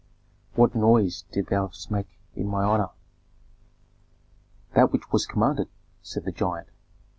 "What noise didst thou make in my honor?" "That which was commanded," said the giant.